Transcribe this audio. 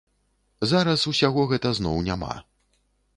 Зараз усяго гэта зноў няма.